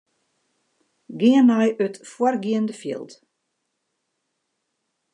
Gean nei de foargeande fjild.